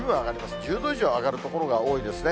１０度以上上がる所が多いですね。